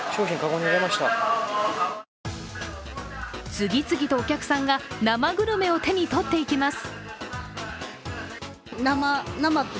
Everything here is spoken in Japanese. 次々とお客さんが生グルメを手に取っていきます。